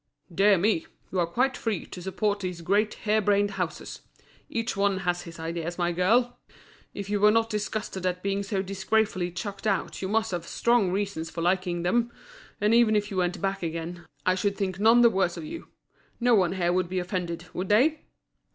"Dear me! you are quite free to support these great hairbrained houses. Each one has his ideas, my girl. If you were not disgusted at being so disgracefully chucked out you must have strong reasons for liking them; and even if you went back again, I should think none the worse of you. No one here would be offended, would they?"